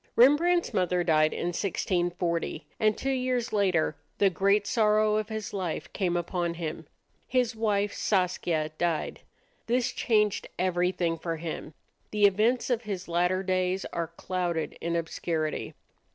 Rembrandt's mother died in 1640, and two years later the great sorrow of his life came upon him. His wife Saskia died. This changed everything for him. The events of his latter days are clouded in obscurity.